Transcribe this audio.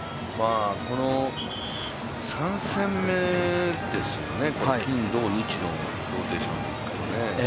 ３戦目ですよね、金土日のローテーションでいくと。